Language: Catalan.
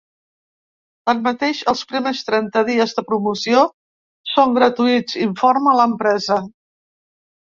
Tanmateix, els primers trenta dies de promoció són gratuïts, informa l’empresa.